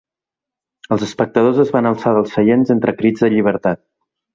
Els espectadors es van alçar dels seients entre crits de ‘llibertat’.